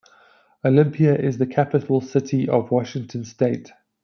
Olympia is the capital city of Washington state.